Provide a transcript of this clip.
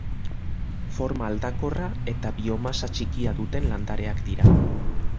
Forma aldakorra eta biomasa txikia duten landareak dira.